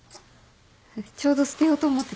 ちょうど捨てようと思ってたし。